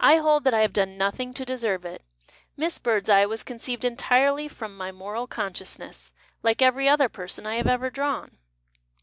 I hold that I have done nothing to deserve it. ... Miss Birdseye was conceived entirely from my moral consciousness, like every other person I have ever drawn."